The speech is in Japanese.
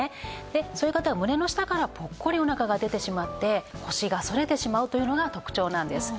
でそういう方は胸の下からポッコリお腹が出てしまって腰が反れてしまうというのが特徴なんです。